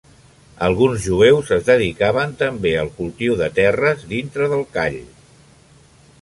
Alguns jueus es dedicaven també al cultiu de terres dintre del call.